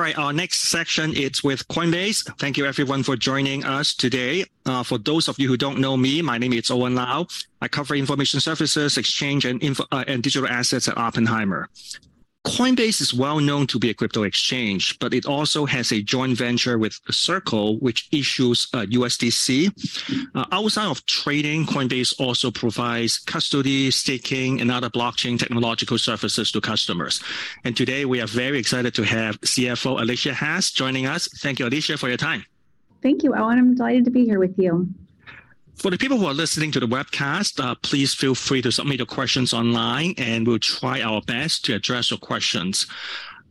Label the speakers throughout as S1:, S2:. S1: All right, our next section is with Coinbase. Thank you everyone for joining us today. For those of you who don't know me, my name is Owen Lau. I cover information services, exchange, and info, and digital assets at Oppenheimer. Coinbase is well known to be a crypto exchange, but it also has a joint venture with Circle, which issues USDC. Outside of trading, Coinbase also provides custody, staking, and other blockchain technological services to customers. Today, we are very excited to have CFO Alesia Haas joining us. Thank you, Alesia, for your time.
S2: Thank you, Owen. I'm delighted to be here with you.
S1: For the people who are listening to the webcast, please feel free to submit your questions online, and we'll try our best to address your questions.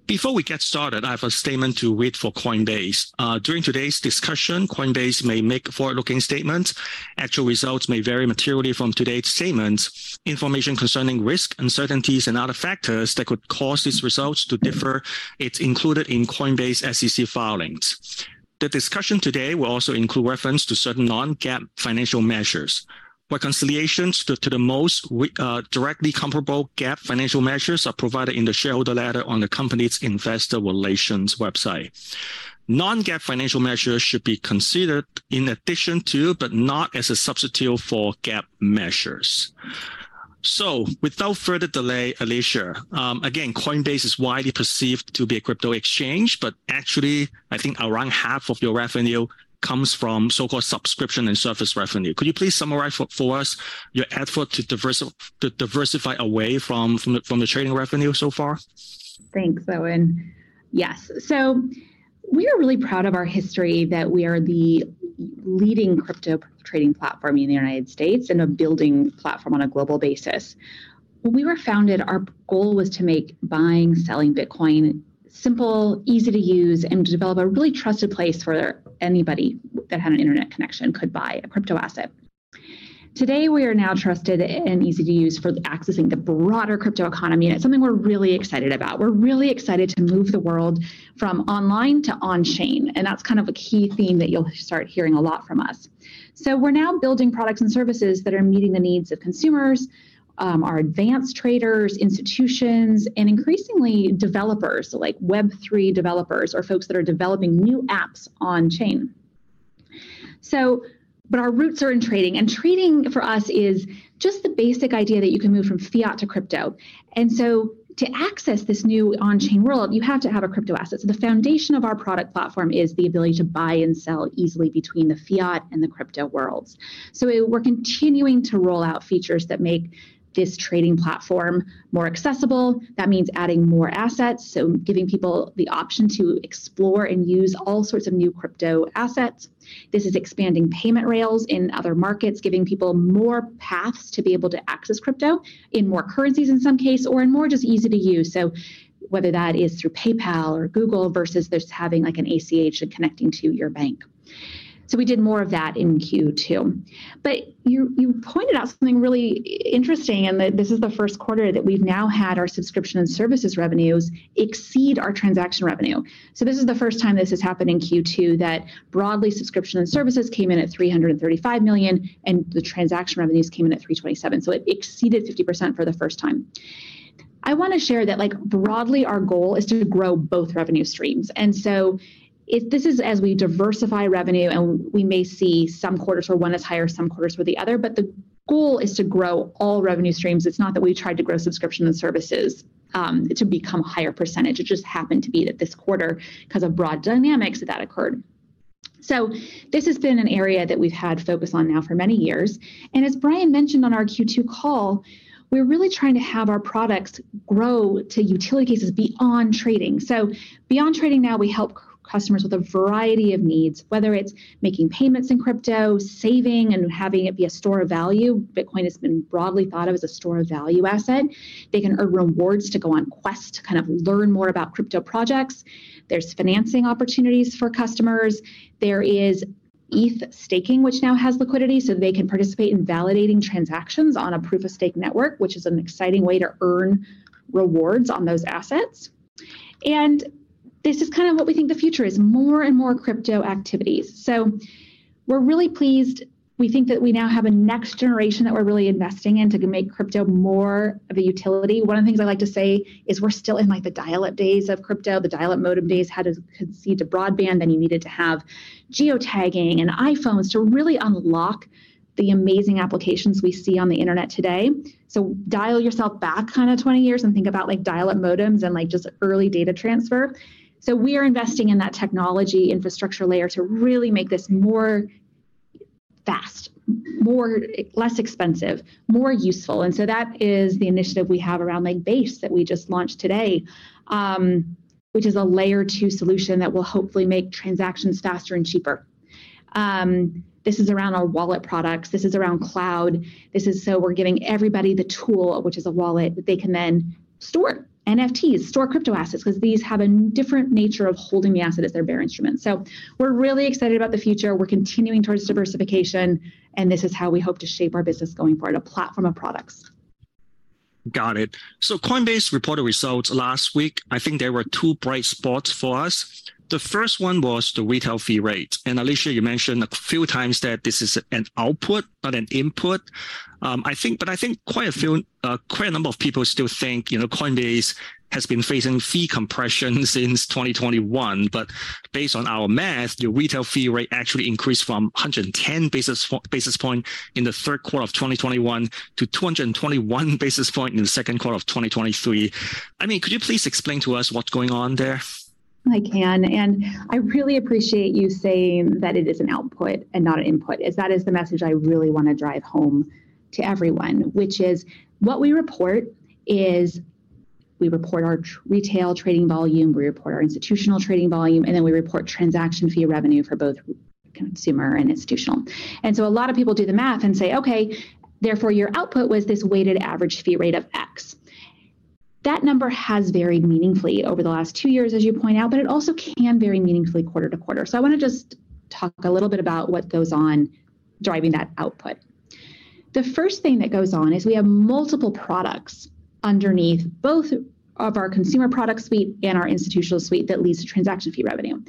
S1: Before we get started, I have a statement to read for Coinbase. During today's discussion, Coinbase may make forward-looking statements. Actual results may vary materially from today's statements. Information concerning risk, uncertainties, and other factors that could cause these results to differ, it's included in Coinbase's SEC filings. The discussion today will also include reference to certain non-GAAP financial measures. Reconciliations to, to the most directly comparable GAAP financial measures are provided in the shareholder letter on the company's investor relations website. Non-GAAP financial measures should be considered in addition to, but not as a substitute for GAAP measures. without further delay, Alesia, again, Coinbase is widely perceived to be a crypto exchange, but actually, I think around half of your revenue comes from so-called subscription and service revenue. Could you please summarize for us your effort to diversify away from the trading revenue so far?
S2: Thanks, Owen. Yes, we are really proud of our history, that we are the leading crypto trading platform in the United States and a building platform on a global basis. When we were founded, our goal was to make buying, selling Bitcoin simple, easy to use, and to develop a really trusted place for anybody that had an internet connection could buy a crypto asset. Today, we are now trusted and easy to use for accessing the broader crypto economy, and it's something we're really excited about. We're really excited to move the world from online to on-chain, and that's kind of a key theme that you'll start hearing a lot from us. We're now building products and services that are meeting the needs of consumers, our advanced traders, institutions, and increasingly developers, so like Web3 developers or folks that are developing new apps on-chain. Our roots are in trading, and trading for us is just the basic idea that you can move from fiat to crypto. To access this new on-chain world, you have to have a crypto asset. The foundation of our product platform is the ability to buy and sell easily between the fiat and the crypto worlds. We're continuing to roll out features that make this trading platform more accessible. That means adding more assets, so giving people the option to explore and use all sorts of new crypto assets. This is expanding payment rails in other markets, giving people more paths to be able to access crypto in more currencies, in some case, or in more just easy to use. Whether that is through PayPal or Google versus just having, like, an ACH and connecting to your bank. We did more of that in Q2. You, you pointed out something really interesting, in that this is the first quarter that we've now had our subscription and services revenues exceed our transaction revenue. This is the first time this has happened in Q2, that broadly, subscription and services came in at $335 million, and the transaction revenues came in at $327 million. It exceeded 50% for the first time. I want to share that, like, broadly, our goal is to grow both revenue streams. If this is as we diversify revenue, and we may see some quarters where one is higher, some quarters with the other, but the goal is to grow all revenue streams. It's not that we tried to grow subscription and services to become a higher percentage. It just happened to be that this quarter, because of broad dynamics, that that occurred. This has been an area that we've had focus on now for many years, and as Brian mentioned on our Q2 call, we're really trying to have our products grow to utility cases beyond trading. Beyond trading now, we help customers with a variety of needs, whether it's making payments in crypto, saving, and having it be a store of value. Bitcoin has been broadly thought of as a store of value asset. They can earn rewards to go on quest to kind of learn more about crypto projects. There's financing opportunities for customers. There is ETH staking, which now has liquidity, so they can participate in validating transactions on a proof-of-stake network, which is an exciting way to earn rewards on those assets. This is kind of what we think the future is, more and more crypto activities. We're really pleased. We think that we now have a next generation that we're really investing in to make crypto more of a utility. One of the things I like to say is we're still in, like, the dial-up days of crypto. The dial-up modem days had to concede to broadband, then you needed to have geotagging and iPhones to really unlock the amazing applications we see on the internet today. Dial yourself back kind of 20 years and think about, like, dial-up modems and, like, just early data transfer. We are investing in that technology infrastructure layer to really make this more fast, more, less expensive, more useful. That is the initiative we have around, like, Base, that we just launched today, which is a Layer 2 solution that will hopefully make transactions faster and cheaper. This is around our wallet products. This is around cloud. This is, so we're giving everybody the tool, which is a wallet, that they can then store NFTs, store crypto assets, because these have a different nature of holding the asset as their bearer instrument. We're really excited about the future. We're continuing towards diversification, and this is how we hope to shape our business going forward, a platform of products.
S1: Got it. Coinbase reported results last week. I think there were two bright spots for us. The first one was the retail fee rate. Alesia, you mentioned a few times that this is an output, not an input. I think, but I think quite a few, quite a number of people still think, you know, Coinbase has been facing fee compression since 2021. Based on our math, your retail fee rate actually increased from 110 basis point in the third quarter of 2021 to 221 basis point in the second quarter of 2023. I mean, could you please explain to us what's going on there?
S2: I can, and I really appreciate you saying that it is an output and not an input, as that is the message I really want to drive home to everyone, which is what we report is we report our retail trading volume, we report our institutional trading volume, and then we report transaction fee revenue for both consumer and institutional. A lot of people do the math and say: "Okay, therefore, your output was this weighted average fee rate of X." That number has varied meaningfully over the last two years, as you point out, but it also can vary meaningfully quarter-to-quarter. I want to just talk a little bit about what goes on driving that output. The first thing that goes on is we have multiple products underneath both of our consumer product suite and our institutional suite that leads to transaction fee revenue.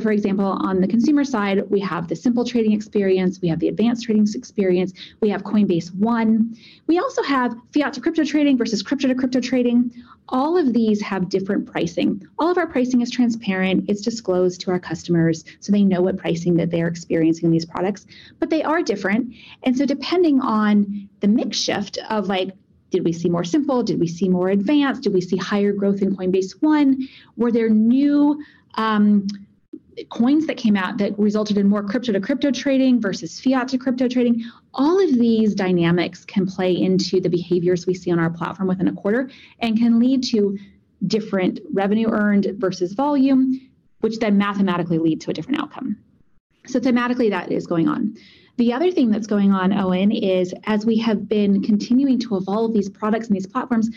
S2: For example, on the consumer side, we have the simple trading experience, we have the advanced trading experience, we have Coinbase One. We also have fiat-to-crypto trading versus crypto-to-crypto trading. All of these have different pricing. All of our pricing is transparent. It's disclosed to our customers, so they know what pricing that they're experiencing in these products, but they are different. Depending on the mix shift of, like, did we see more simple, did we see more advanced, did we see higher growth in Coinbase One? Were there new coins that came out that resulted in more crypto-to-crypto trading versus fiat-to-crypto trading? All of these dynamics can play into the behaviors we see on our platform within a quarter and can lead to different revenue earned versus volume, which then mathematically lead to a different outcome. Thematically, that is going on. The other thing that's going on, Owen, is as we have been continuing to evolve these products and these platforms,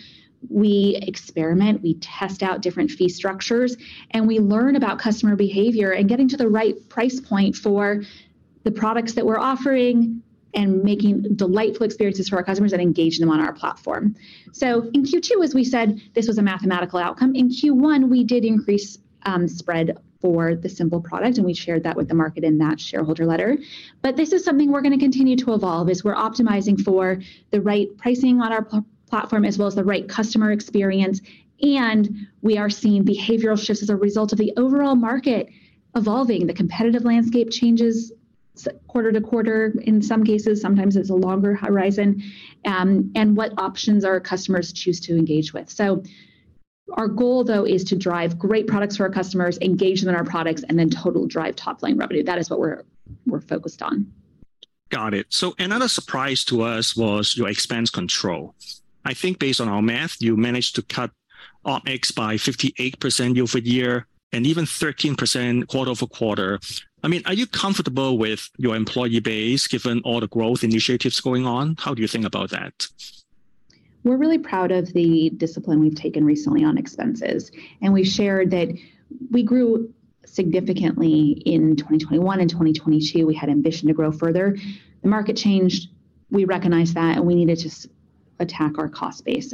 S2: we experiment, we test out different fee structures, and we learn about customer behavior and getting to the right price point for the products that we're offering and making delightful experiences for our customers that engage them on our platform. In Q2, as we said, this was a mathematical outcome. In Q1, we did increase spread for the simple product, and we shared that with the market in that shareholder letter. This is something we're going to continue to evolve, is we're optimizing for the right pricing on our platform, as well as the right customer experience, and we are seeing behavioral shifts as a result of the overall market evolving. The competitive landscape changes quarter to quarter in some cases, sometimes it's a longer horizon, and what options our customers choose to engage with. Our goal, though, is to drive great products for our customers, engage them in our products, and then total drive top-line revenue. That is what we're, we're focused on.
S1: Got it. Another surprise to us was your expense control. I think based on our math, you managed to cut OpEx by 58% year-over-year and even 13% quarter-over-quarter. I mean, are you comfortable with your employee base, given all the growth initiatives going on? How do you think about that?
S2: We're really proud of the discipline we've taken recently on expenses. We've shared that we grew significantly in 2021 and 2022. We had ambition to grow further. The market changed, we recognized that. We needed to attack our cost base.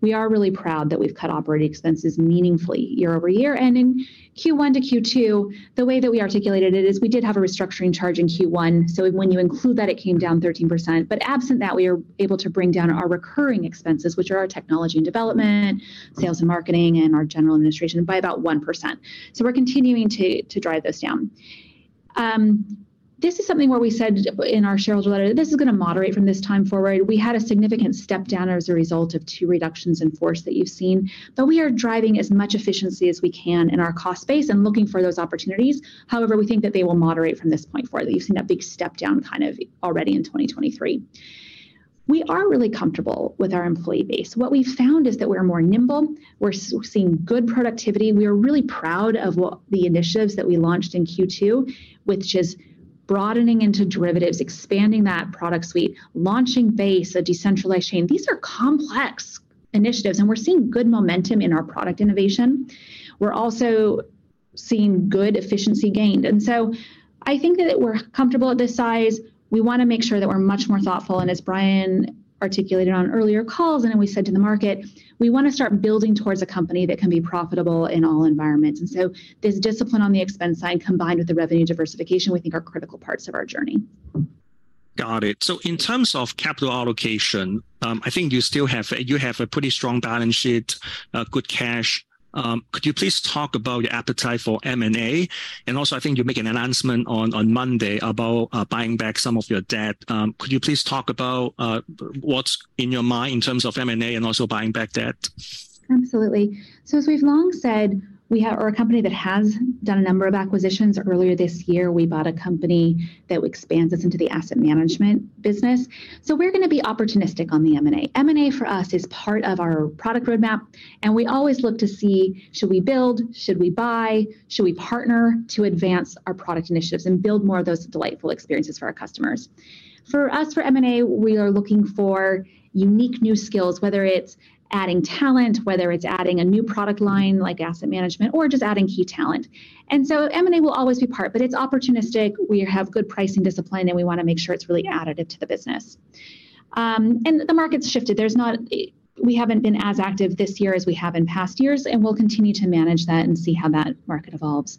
S2: We are really proud that we've cut OpEx meaningfully year-over-year. In Q1 to Q2, the way that we articulated it is we did have a restructuring charge in Q1, so when you include that, it came down 13%. Absent that, we are able to bring down our recurring expenses, which are our technology and development, sales and marketing, and our general administration, by about 1%. We're continuing to drive this down. This is something where we said in our shareholder letter, "This is going to moderate from this time forward." We had a significant step down as a result of two reductions in force that you've seen, but we are driving as much efficiency as we can in our cost base and looking for those opportunities. However, we think that they will moderate from this point forward. You've seen that big step down kind of already in 2023. We are really comfortable with our employee base. What we've found is that we're more nimble, we're seeing good productivity, and we are really proud of what the initiatives that we launched in Q2, which is broadening into derivatives, expanding that product suite, launching Base, a decentralized chain. These are complex initiatives, and we're seeing good momentum in our product innovation. We're also seeing good efficiency gained. I think that we're comfortable at this size. We want to make sure that we're much more thoughtful, and as Brian articulated on earlier calls and we said to the market, we want to start building towards a company that can be profitable in all environments. This discipline on the expense side, combined with the revenue diversification, we think are critical parts of our journey.
S1: Got it. In terms of capital allocation, I think you still have a pretty strong balance sheet, good cash. Could you please talk about your appetite for M&A? Also, I think you're making an announcement on Monday about buying back some of your debt. Could you please talk about what's in your mind in terms of M&A and also buying back debt?
S2: Absolutely. As we've long said, we are a company that has done a number of acquisitions. Earlier this year, we bought a company that expands us into the asset management business. We're going to be opportunistic on the M&A. M&A, for us, is part of our product roadmap, and we always look to see should we build, should we buy, should we partner to advance our product initiatives and build more of those delightful experiences for our customers? For us, for M&A, we are looking for unique new skills, whether it's adding talent, whether it's adding a new product line, like asset management, or just adding key talent. M&A will always be part, but it's opportunistic. We have good pricing discipline, and we want to make sure it's really additive to the business. The market's shifted. There's not, we haven't been as active this year as we have in past years, and we'll continue to manage that and see how that market evolves.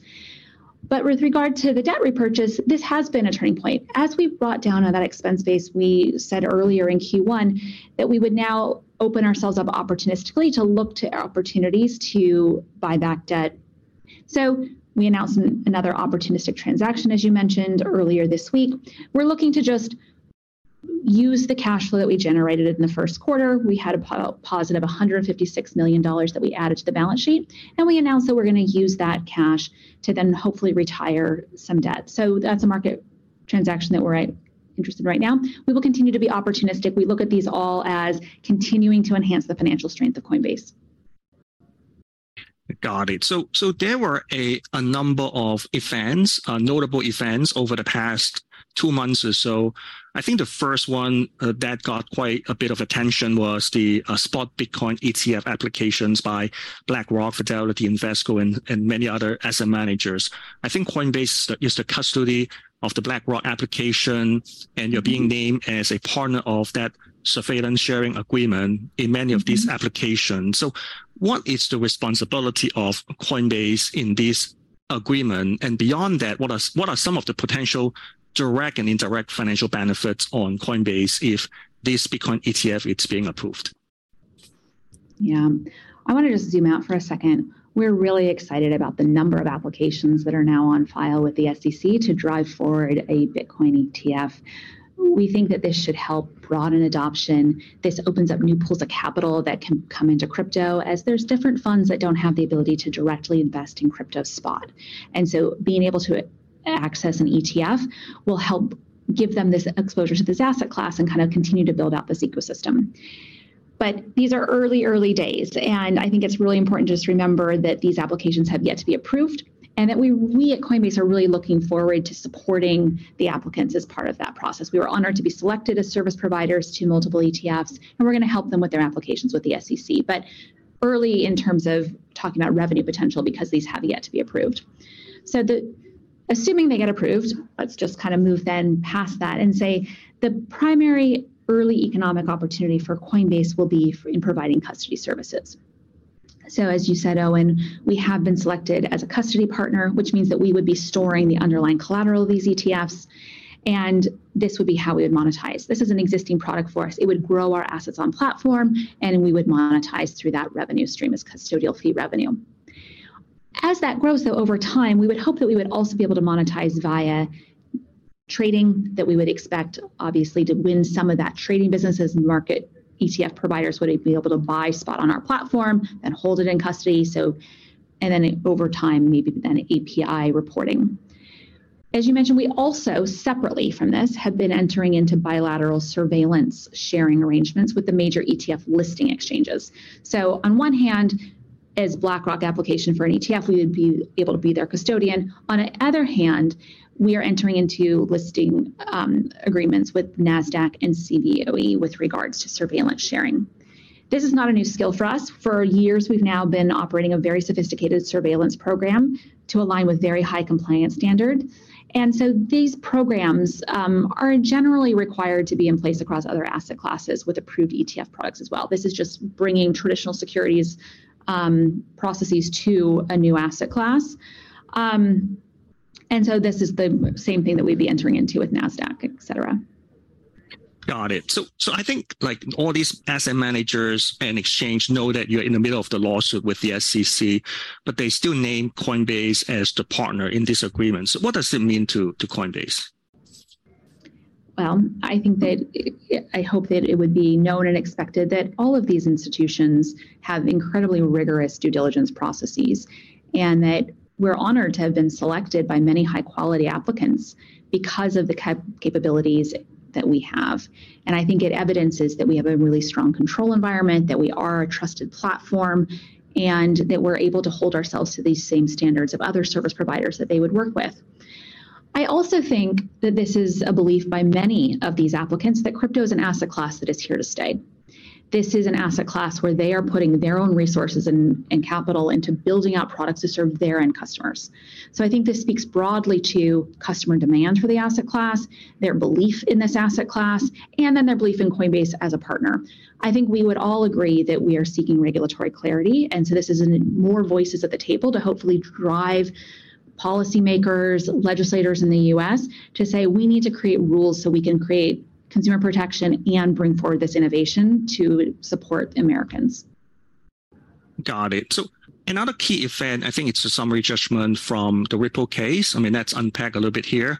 S2: With regard to the debt repurchase, this has been a turning point. As we brought down on that expense base, we said earlier in Q1 that we would now open ourselves up opportunistically to look to opportunities to buy back debt. We announced another opportunistic transaction, as you mentioned, earlier this week. We're looking to just use the cash flow that we generated in the first quarter. We had a positive $156 million that we added to the balance sheet, and we announced that we're gonna use that cash to then hopefully retire some debt. That's a market transaction that we're interested in right now. We will continue to be opportunistic. We look at these all as continuing to enhance the financial strength of Coinbase.
S1: Got it. There were a, a number of events, notable events over the past 2 months or so. I think the first one that got quite a bit of attention was the spot Bitcoin ETF applications by BlackRock, Fidelity, Invesco, and many other asset managers. I think Coinbase is the custody of the BlackRock application, and you're being named as a partner of that surveillance sharing agreement in many of these applications.
S2: Mm-hmm.
S1: What is the responsibility of Coinbase in this agreement? Beyond that, what are, what are some of the potential direct and indirect financial benefits on Coinbase if this Bitcoin ETF is being approved?
S2: Yeah. I want to just zoom out for a second. We're really excited about the number of applications that are now on file with the SEC to drive forward a Bitcoin ETF. We think that this should help broaden adoption. This opens up new pools of capital that can come into crypto, as there's different funds that don't have the ability to directly invest in crypto spot. So being able to access an ETF will help give them this exposure to this asset class and kind of continue to build out this ecosystem. These are early, early days, and I think it's really important to just remember that these applications have yet to be approved, and that we, we at Coinbase are really looking forward to supporting the applicants as part of that process. We were honored to be selected as service providers to multiple ETFs, and we're gonna help them with their applications with the SEC. Early in terms of talking about revenue potential, because these have yet to be approved. Assuming they get approved, let's just kind of move then past that and say the primary early economic opportunity for Coinbase will be in providing custody services. As you said, Owen, we have been selected as a custody partner, which means that we would be storing the underlying collateral of these ETFs, and this would be how we would monetize. This is an existing product for us. It would grow our assets on platform, and we would monetize through that revenue stream as custodial fee revenue. As that grows, though, over time, we would hope that we would also be able to monetize via trading, that we would expect, obviously, to win some of that trading business as market ETF providers would be able to buy spot on our platform, then hold it in custody, so, and then over time, maybe then API reporting. As you mentioned, we also, separately from this, have been entering into bilateral surveillance sharing arrangements with the major ETF listing exchanges. On one hand, as BlackRock application for an ETF, we would be able to be their custodian. On the other hand, we are entering into listing agreements with Nasdaq and Cboe with regards to surveillance sharing. This is not a new skill for us. For years, we've now been operating a very sophisticated surveillance program to align with very high compliance standard. These programs are generally required to be in place across other asset classes with approved ETF products as well. This is just bringing traditional securities processes to a new asset class. This is the same thing that we'd be entering into with Nasdaq, et cetera.
S1: Got it. I think, like, all these asset managers and exchange know that you're in the middle of the lawsuit with the SEC. They still name Coinbase as the partner in this agreement. What does it mean to Coinbase?
S2: Well, I think that I hope that it would be known and expected that all of these institutions have incredibly rigorous due diligence processes, and that we're honored to have been selected by many high-quality applicants because of the capabilities that we have. I think it evidences that we have a really strong control environment, that we are a trusted platform, and that we're able to hold ourselves to these same standards of other service providers that they would work with. I also think that this is a belief by many of these applicants, that crypto is an asset class that is here to stay. This is an asset class where they are putting their own resources and capital into building out products to serve their end customers. I think this speaks broadly to customer demand for the asset class, their belief in this asset class, and then their belief in Coinbase as a partner. I think we would all agree that we are seeking regulatory clarity, this is, more voices at the table to hopefully drive policymakers, legislators in the U.S. to say: We need to create rules so we can create consumer protection and bring forward this innovation to support Americans.
S1: Got it. Another key event, I think it's the summary judgment from the Ripple case. I mean, let's unpack a little bit here.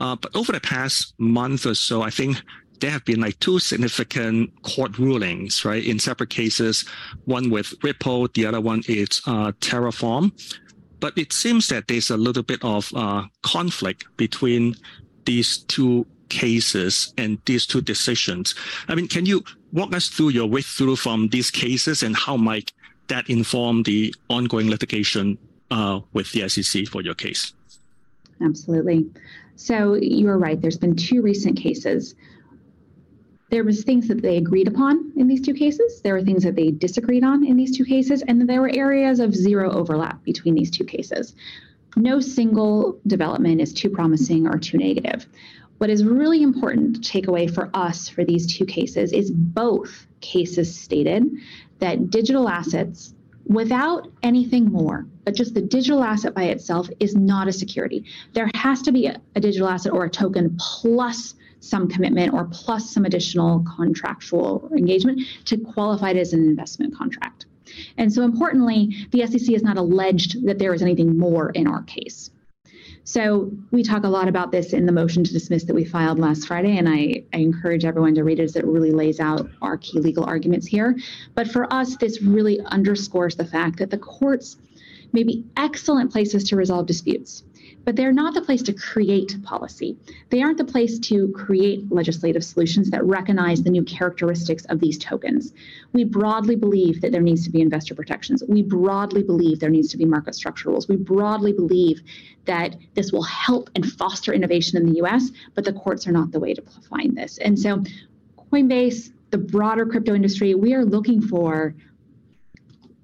S1: Over the past month or so, I think there have been, like, two significant court rulings, right, in separate cases, one with Ripple, the other one is Terraform. It seems that there's a little bit of conflict between these two cases and these two decisions. I mean, can you walk us through your way through from these cases, and how might that inform the ongoing litigation with the SEC for your case?
S2: Absolutely. You are right. There's been two recent cases. There was things that they agreed upon in these two cases, there were things that they disagreed on in these two cases, and there were areas of zero overlap between these two cases. No single development is too promising or too negative. What is really important to take away for us for these two cases is both cases stated that digital assets. Without anything more, but just the digital asset by itself is not a security. There has to be a digital asset or a token, plus some commitment or plus some additional contractual engagement to qualify it as an investment contract. Importantly, the SEC has not alleged that there is anything more in our case. We talk a lot about this in the motion to dismiss that we filed last Friday, and I, I encourage everyone to read it, as it really lays out our key legal arguments here. For us, this really underscores the fact that the courts may be excellent places to resolve disputes, but they're not the place to create policy. They aren't the place to create legislative solutions that recognize the new characteristics of these tokens. We broadly believe that there needs to be investor protections. We broadly believe there needs to be market structure rules. We broadly believe that this will help and foster innovation in the U.S., but the courts are not the way to find this. Coinbase, the broader crypto industry, we are looking for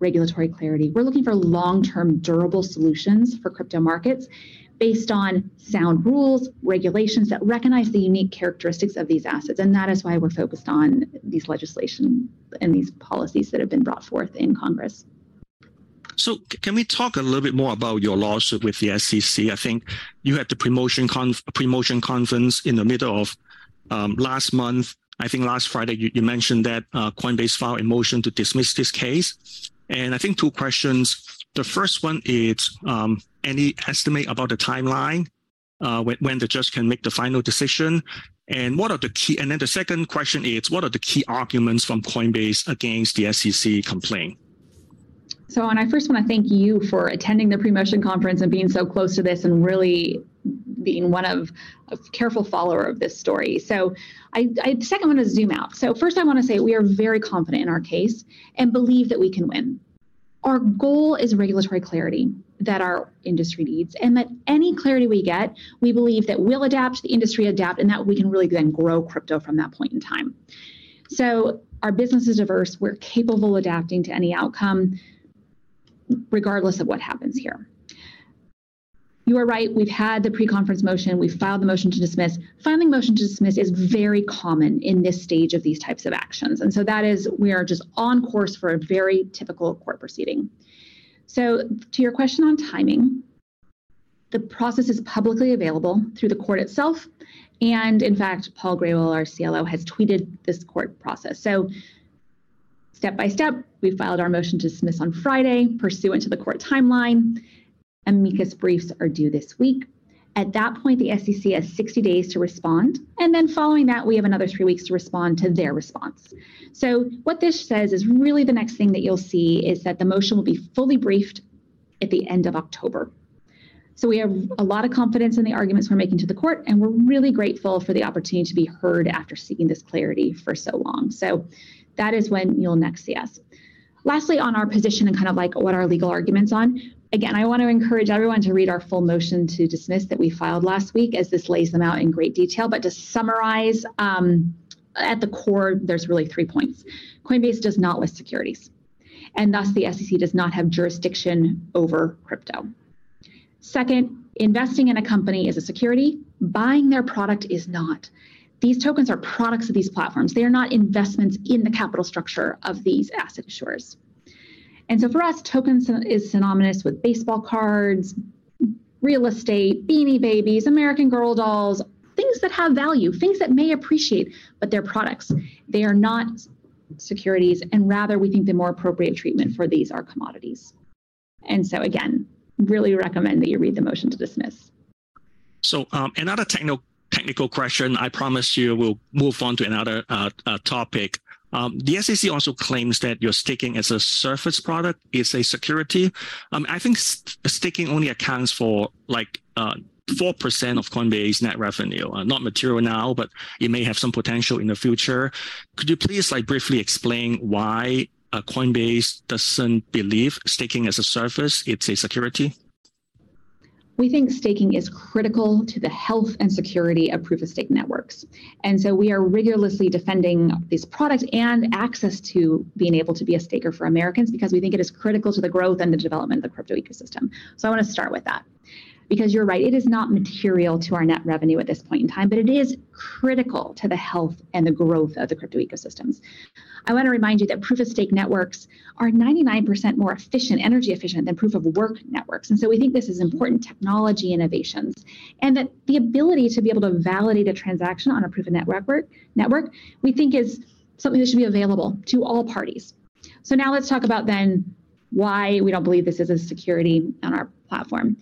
S2: regulatory clarity. We're looking for long-term, durable solutions for crypto markets based on sound rules, regulations that recognize the unique characteristics of these assets, that is why we're focused on these legislation and these policies that have been brought forth in Congress.
S1: Can we talk a little bit more about your lawsuit with the SEC? I think you had the pre-motion conference in the middle of last month. I think last Friday, you mentioned that Coinbase filed a motion to dismiss this case. I think two questions. The first one is, any estimate about the timeline, when the judge can make the final decision? Then the second question is, what are the key arguments from Coinbase against the SEC complaint?
S2: I first wanna thank you for attending the pre-motion conference and being so close to this and really being one of a careful follower of this story. Second, I'm gonna zoom out. First, I wanna say we are very confident in our case and believe that we can win. Our goal is regulatory clarity that our industry needs, and that any clarity we get, we believe that we'll adapt, the industry adapt, and that we can really then grow crypto from that point in time. Our business is diverse. We're capable of adapting to any outcome, regardless of what happens here. You are right, we've had the pre-conference motion. We've filed the motion to dismiss. Filing a motion to dismiss is very common in this stage of these types of actions, and so that is we are just on course for a very typical court proceeding. To your question on timing, the process is publicly available through the court itself, and in fact, Paul Grewal, our CLO, has tweeted this court process. Step by step, we filed our motion to dismiss on Friday, pursuant to the court timeline, amicus briefs are due this week. At that point, the SEC has 60 days to respond, and then following that, we have another three weeks to respond to their response. What this says is, really the next thing that you'll see is that the motion will be fully briefed at the end of October. We have a lot of confidence in the arguments we're making to the court, and we're really grateful for the opportunity to be heard after seeking this clarity for so long. That is when you'll next see us. Lastly, on our position and kind of like what are our legal arguments on, again, I wanna encourage everyone to read our full motion to dismiss that we filed last week, as this lays them out in great detail. To summarize, at the core, there's really three points. Coinbase does not list securities, and thus the SEC does not have jurisdiction over crypto. Second, investing in a company is a security. Buying their product is not. These tokens are products of these platforms. They are not investments in the capital structure of these asset issuers. For us, tokens is synonymous with baseball cards, real estate, Beanie Babies, American Girl dolls, things that have value, things that may appreciate, but they're products. They are not securities, and rather, we think the more appropriate treatment for these are commodities. Again, really recommend that you read the motion to dismiss.
S1: Another technical question. I promise you we'll move on to another topic. The SEC also claims that your staking as a service product is a security. I think staking only accounts for, like, 4% of Coinbase's net revenue. Not material now, but it may have some potential in the future. Could you please, like, briefly explain why Coinbase doesn't believe staking as a service, it's a security?
S2: We think staking is critical to the health and security of proof-of-stake networks. We are rigorously defending this product and access to being able to be a staker for Americans because we think it is critical to the growth and the development of the crypto ecosystem. I wanna start with that because you're right, it is not material to our net revenue at this point in time, but it is critical to the health and the growth of the crypto ecosystems. I wanna remind you that proof-of-stake networks are 99% more efficient, energy efficient than proof-of-work networks, and so we think this is important technology innovations. That the ability to be able to validate a transaction on a proof-of-network, we think is something that should be available to all parties. Now let's talk about then why we don't believe this is a security on our platform.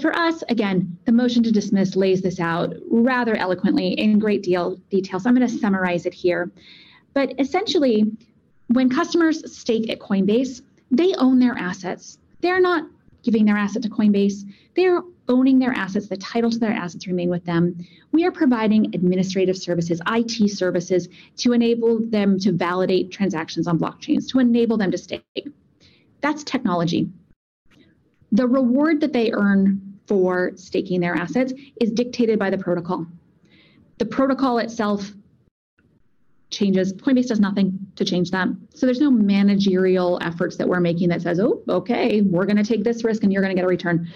S2: For us, again, the motion to dismiss lays this out rather eloquently in great deal, detail, so I'm gonna summarize it here. Essentially, when customers stake at Coinbase, they own their assets. They're not giving their asset to Coinbase. They are owning their assets. The title to their assets remain with them. We are providing administrative services, IT services, to enable them to validate transactions on blockchains, to enable them to stake. That's technology. The reward that they earn for staking their assets is dictated by the protocol. The protocol itself changes. Coinbase does nothing to change that, so there's no managerial efforts that we're making that says, "Oh, okay, we're gonna take this risk, and you're gonna get a return."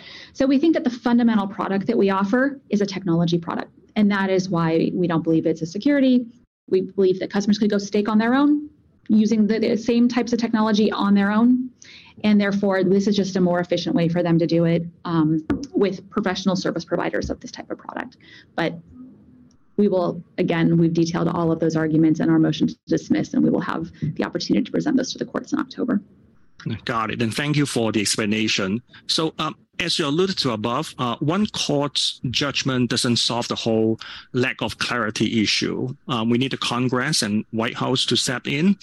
S2: We think that the fundamental product that we offer is a technology product, and that is why we don't believe it's a security. We believe that customers could go stake on their own using the, the same types of technology on their own, and therefore this is just a more efficient way for them to do it, with professional service providers of this type of product. We will, again, we've detailed all of those arguments in our motion to dismiss, and we will have the opportunity to present those to the courts in October.
S1: Got it, and thank you for the explanation. as you alluded to above, one court's judgment doesn't solve the whole lack of clarity issue. We need the Congress and White House to step in,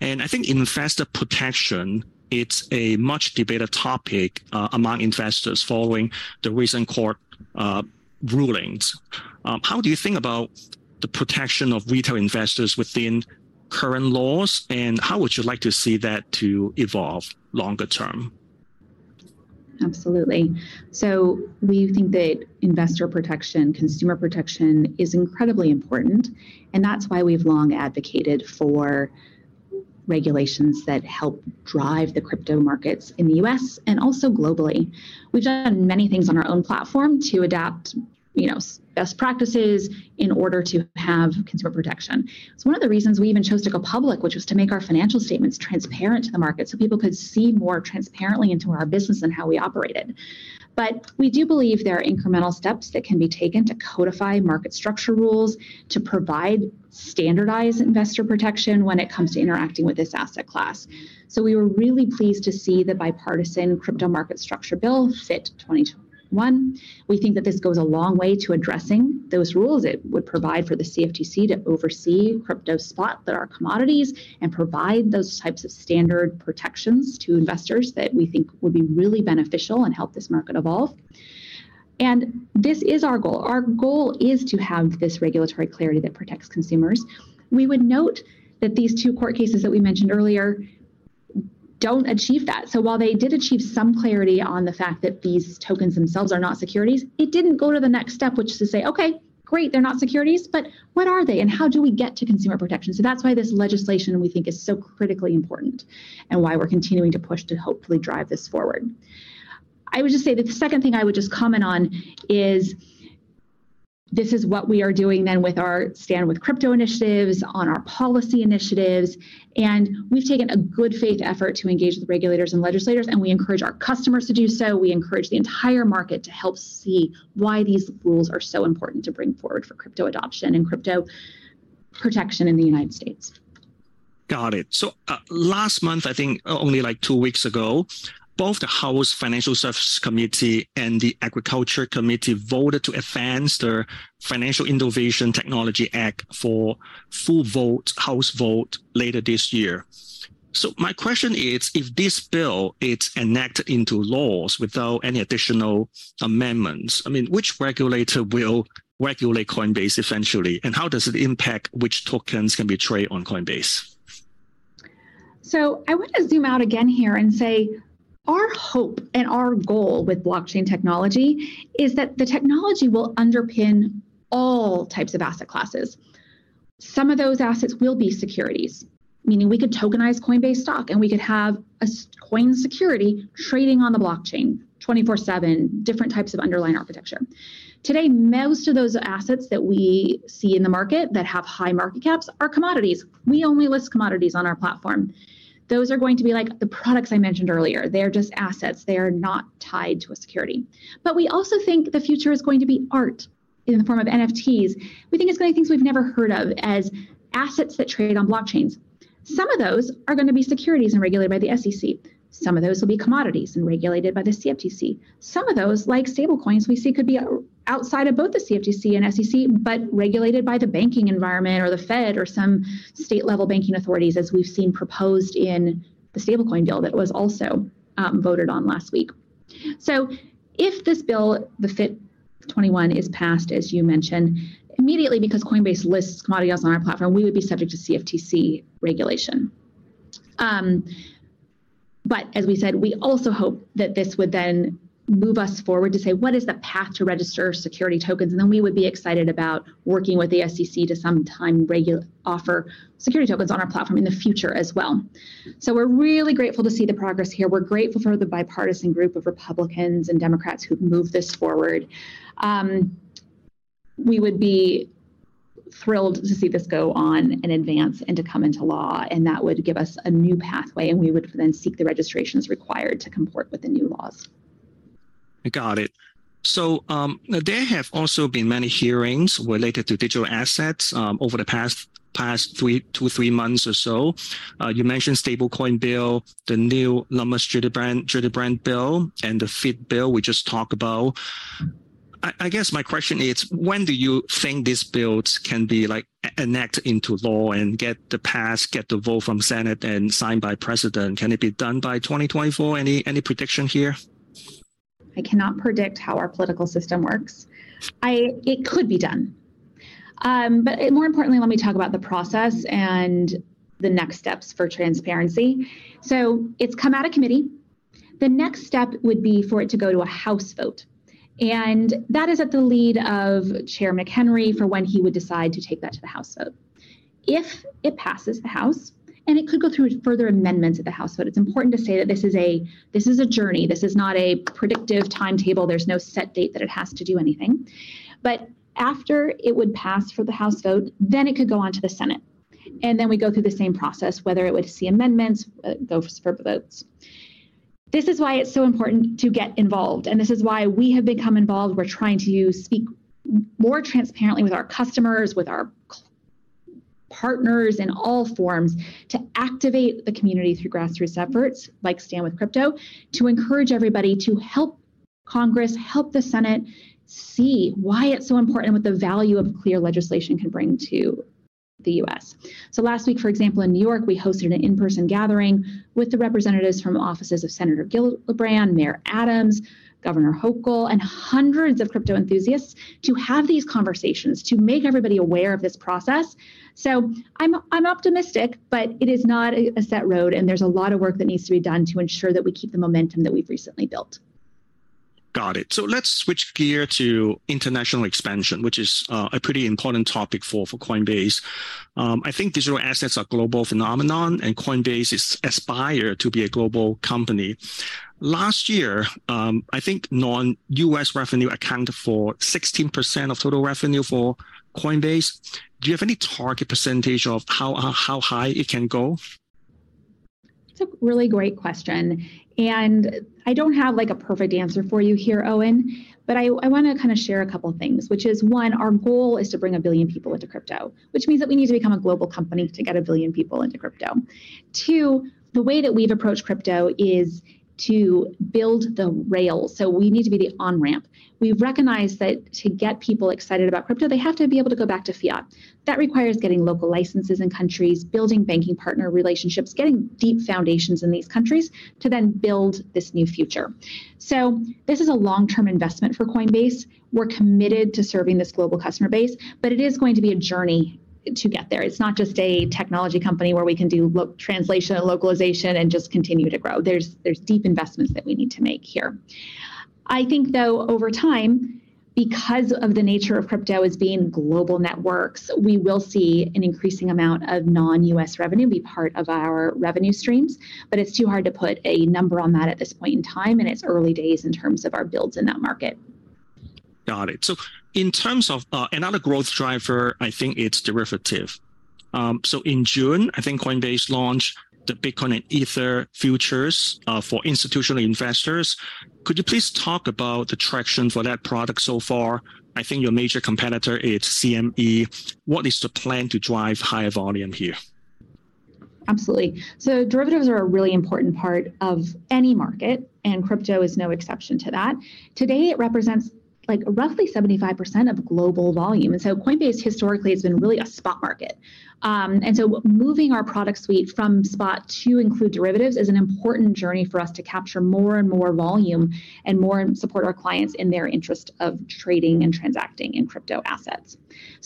S1: and I think investor protection, it's a much-debated topic, among investors following the recent court, rulings. How do you think about the protection of retail investors within current laws, and how would you like to see that to evolve longer term?
S2: Absolutely. We think that investor protection, consumer protection is incredibly important, and that's why we've long advocated for regulations that help drive the crypto markets in the US and also globally. We've done many things on our own platform to adapt, you know, best practices in order to have consumer protection. It's one of the reasons we even chose to go public, which was to make our financial statements transparent to the market so people could see more transparently into our business and how we operated. We do believe there are incremental steps that can be taken to codify market structure rules, to provide standardized investor protection when it comes to interacting with this asset class. We were really pleased to see the bipartisan crypto market structure bill, FIT21. We think that this goes a long way to addressing those rules. It would provide for the CFTC to oversee crypto spot that are commodities and provide those types of standard protections to investors that we think would be really beneficial and help this market evolve. This is our goal. Our goal is to have this regulatory clarity that protects consumers. We would note that these two court cases that we mentioned earlier don't achieve that. While they did achieve some clarity on the fact that these tokens themselves are not securities, it didn't go to the next step, which is to say, "Okay, great, they're not securities, but what are they, and how do we get to consumer protection?" That's why this legislation, we think, is so critically important and why we're continuing to push to hopefully drive this forward. I would just say that the second thing I would just comment on is, this is what we are doing then with our Stand With Crypto initiatives, on our policy initiatives, and we've taken a good-faith effort to engage with regulators and legislators, and we encourage our customers to do so. We encourage the entire market to help see why these rules are so important to bring forward for crypto adoption and crypto protection in the United States.
S1: Got it. last month, I think, only, like, two weeks ago, both the House Financial Services Committee and the Agriculture Committee voted to advance their Financial Innovation Technology Act for full vote, House vote later this year. My question is, if this bill is enacted into laws without any additional amendments, I mean, which regulator will regulate Coinbase eventually, and how does it impact which tokens can be traded on Coinbase?
S2: I want to zoom out again here and say, our hope and our goal with blockchain technology is that the technology will underpin all types of asset classes. Some of those assets will be securities, meaning we could tokenize Coinbase stock, and we could have a coin security trading on the blockchain 24/7, different types of underlying architecture. Today, most of those assets that we see in the market that have high market caps are commodities. We only list commodities on our platform. Those are going to be like the products I mentioned earlier. They are just assets. They are not tied to a security. We also think the future is going to be art in the form of NFTs. We think it's going to be things we've never heard of as assets that trade on blockchains. Some of those are going to be securities and regulated by the SEC. Some of those will be commodities and regulated by the CFTC. Some of those, like stablecoins, we see could be outside of both the CFTC and SEC but regulated by the banking environment or the Fed or some state-level banking authorities, as we've seen proposed in the stablecoin bill that was also voted on last week. If this bill, the FIT21, is passed, as you mentioned, immediately, because Coinbase lists commodities on our platform, we would be subject to CFTC regulation. As we said, we also hope that this would then move us forward to say, "What is the path to register security tokens?" We would be excited about working with the SEC to sometime offer security tokens on our platform in the future as well. We're really grateful to see the progress here. We're grateful for the bipartisan group of Republicans and Democrats who've moved this forward. We would be thrilled to see this go on and advance and to come into law, and that would give us a new pathway, and we would then seek the registrations required to comport with the new laws.
S1: I got it. There have also been many hearings related to digital assets over the past two to three months or so. You mentioned Stablecoin bill, the new Lummis-Gillibrand bill, and the FIT21 bill we just talked about. I guess my question is: When do you think these bills can be, like, enacted into law and get the pass, get the vote from U.S. Senate and signed by President? Can it be done by 2024? Any prediction here?
S2: I cannot predict how our political system works. It could be done. More importantly, let me talk about the process and the next steps for transparency. It's come out of committee. The next step would be for it to go to a House vote, and that is at the lead of Chair McHenry for when he would decide to take that to the House vote. If it passes the House, and it could go through further amendments at the House vote, it's important to say that this is a, this is a journey. This is not a predictive timetable. There's no set date that it has to do anything. After it would pass for the House vote, then it could go on to the Senate, then we go through the same process, whether it would see amendments, go for votes. This is why it's so important to get involved, and this is why we have become involved. We're trying to speak more transparently with our customers, with our partners in all forms, to activate the community through grassroots efforts, like Stand With Crypto, to encourage everybody to help Congress, help the Senate see why it's so important, what the value of clear legislation can bring to the U.S. Last week, for example, in New York, we hosted an in-person gathering with the representatives from offices of Senator Gillibrand, Mayor Adams, Governor Hochul, and hundreds of crypto enthusiasts to have these conversations, to make everybody aware of this process. I'm optimistic, but it is not a set road, and there's a lot of work that needs to be done to ensure that we keep the momentum that we've recently built.
S1: Got it. Let's switch gear to international expansion, which is a pretty important topic for, for Coinbase. I think digital assets are global phenomenon, and Coinbase is aspired to be a global company. Last year, I think non-U.S. revenue accounted for 16% of total revenue for Coinbase. Do you have any target percentage of how, how, how high it can go?
S2: It's a really great question, and I don't have, like, a perfect answer for you here, Owen, but I, I wanna kind of share a couple things, which is, one, our goal is to bring 1 billion people into crypto, which means that we need to become a global company to get 1 billion people into crypto. Two, the way that we've approached crypto is to build the rails. We need to be the on-ramp. We've recognized that to get people excited about crypto, they have to be able to go back to fiat. That requires getting local licenses in countries, building banking partner relationships, getting deep foundations in these countries to then build this new future. This is a long-term investment for Coinbase. We're committed to serving this global customer base, but it is going to be a journey to get there. It's not just a technology company where we can do translation and localization and just continue to grow. There's, there's deep investments that we need to make here. I think, though, over time, because of the nature of crypto as being global networks, we will see an increasing amount of non-U.S. revenue be part of our revenue streams, but it's too hard to put a number on that at this point in time, and it's early days in terms of our builds in that market.
S1: Got it. In terms of another growth driver, I think it's derivative. In June, I think Coinbase launched the Bitcoin and Ether futures for institutional investors. Could you please talk about the traction for that product so far? I think your major competitor is CME. What is the plan to drive higher volume here?
S2: Absolutely. Derivatives are a really important part of any market, and crypto is no exception to that. Today, it represents, like, roughly 75% of global volume, Coinbase historically has been really a spot market. Moving our product suite from spot to include derivatives is an important journey for us to capture more and more volume and more support our clients in their interest of trading and transacting in crypto assets.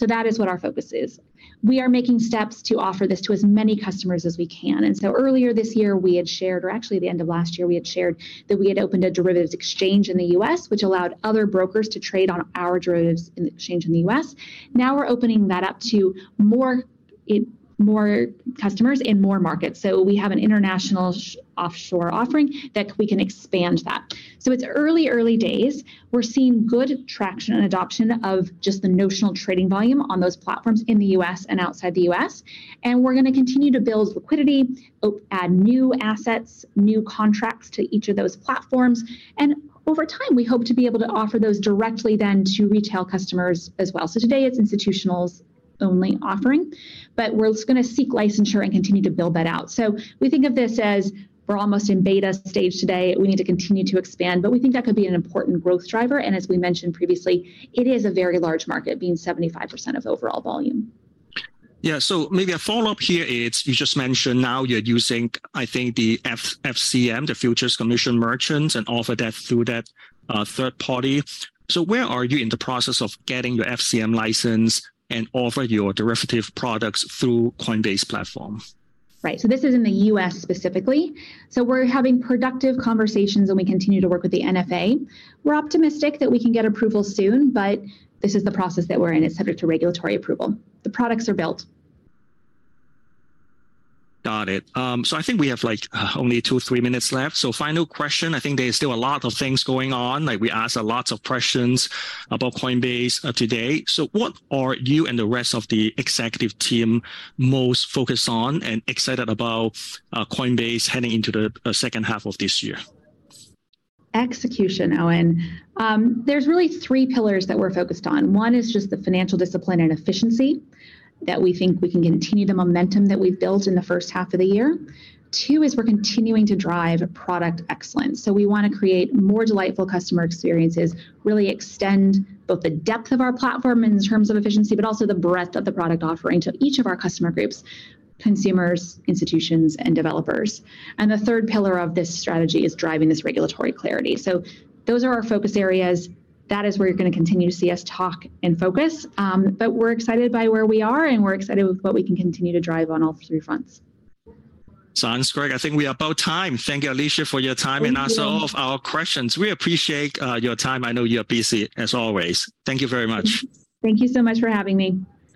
S2: That is what our focus is. We are making steps to offer this to as many customers as we can, earlier this year, we had shared, or actually, the end of last year, we had shared that we had opened a derivatives exchange in the U.S., which allowed other brokers to trade on our derivatives in exchange in the U.S. We're opening that up to more customers in more markets. We have an international offshore offering that we can expand that. It's early, early days. We're seeing good traction and adoption of just the notional trading volume on those platforms in the U.S and outside the U.S. We're gonna continue to build liquidity, add new assets, new contracts to each of those platforms, and over time, we hope to be able to offer those directly then to retail customers as well. Today, it's institutionals-only offering. We're just gonna seek licensure and continue to build that out. We think of this as we're almost in beta stage today. We need to continue to expand. We think that could be an important growth driver. As we mentioned previously, it is a very large market, being 75% of overall volume.
S1: Yeah. Maybe a follow-up here is, you just mentioned now you're using, I think, the FCM, the Futures Commission Merchants, and offer that through that third party. Where are you in the process of getting your FCM license and offer your derivative products through Coinbase platform?
S2: Right. This is in the U.S. specifically. We're having productive conversations, and we continue to work with the NFA. We're optimistic that we can get approval soon, but this is the process that we're in. It's subject to regulatory approval. The products are built.
S1: Got it. I think we have, like, only two, three minutes left, so final question: I think there is still a lot of things going on, like, we asked a lots of questions about Coinbase today. What are you and the rest of the executive team most focused on and excited about Coinbase heading into the second half of this year?
S2: Execution, Owen. There's really three pillars that we're focused on. One is just the financial discipline and efficiency that we think we can continue the momentum that we've built in the first half of the year. Two is we're continuing to drive product excellence, so we wanna create more delightful customer experiences, really extend both the depth of our platform in terms of efficiency, but also the breadth of the product offering to each of our customer groups: consumers, institutions, and developers. The third pillar of this strategy is driving this regulatory clarity. Those are our focus areas. That is where you're gonna continue to see us talk and focus. But we're excited by where we are, and we're excited with what we can continue to drive on all three fronts.
S1: Sounds great. I think we are about time. Thank you, Alesia, for your time.
S2: Thank you.
S1: And answer all of our questions. We appreciate your time. I know you are busy, as always. Thank you very much.
S2: Thank you so much for having me.